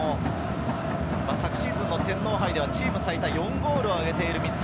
昨シーズンの天皇杯ではチーム最多４ゴールを挙げている三平。